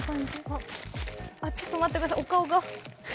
ちょっと待ってください、お顔が。